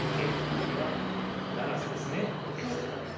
これは不成ですね王手にするために。